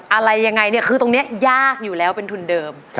อะไรอย่างไรคือตรงนี้ยากอยู่แล้วเป็นทุนเดิม